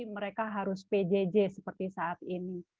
mereka harus pjj seperti saat ini